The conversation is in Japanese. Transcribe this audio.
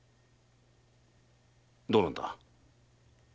どうなんだ。